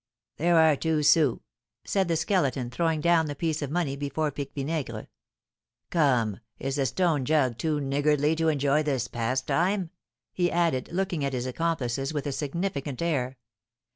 "There are two sous," said the Skeleton, throwing down the piece of money before Pique Vinaigre. "Come, is the stone jug too niggardly to enjoy this pastime?" he added, looking at his accomplices with a significant air.